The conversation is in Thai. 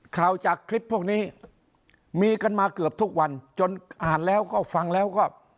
จากคลิปพวกนี้มีกันมาเกือบทุกวันจนอ่านแล้วก็ฟังแล้วก็